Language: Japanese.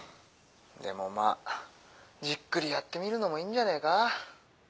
でもまあじっくりやってみるのもいいんじゃねえか。